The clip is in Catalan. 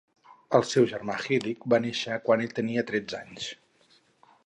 El seu germà Hilik va néixer quan ell tenia tretze anys.